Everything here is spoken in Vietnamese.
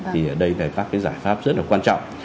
thì ở đây là các cái giải pháp rất là quan trọng